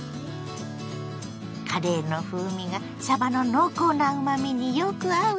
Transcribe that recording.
カレーの風味がさばの濃厚なうまみによく合うソテー。